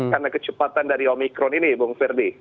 karena kecepatan dari omikron ini bung ferdi